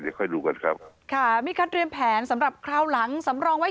ค่อยดูกันครับค่ะมีการเตรียมแผนสำหรับคราวหลังสำรองไว้